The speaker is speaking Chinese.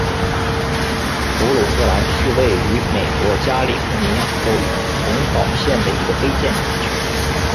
弗鲁特兰是位于美国加利福尼亚州洪堡县的一个非建制地区。